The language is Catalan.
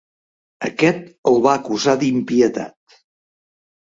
Aquest el va acusar d'impietat.